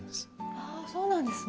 あそうなんですね。